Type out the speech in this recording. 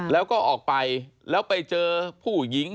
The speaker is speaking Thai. แล้วก็ออกไปแล้วไปเจอผู้หญิง